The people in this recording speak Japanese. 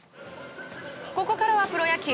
ここからはプロ野球。